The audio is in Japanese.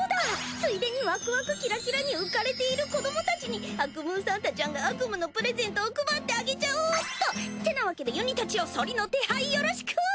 ついでにワクワクキラキラに浮かれている子どもたちにアクムーサンタちゃんが悪夢のプレゼントを配ってあげちゃおっと！ってなわけでゆにたちよソリの手配よろしく！